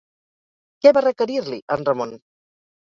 Què va requerir-li, en Ramon?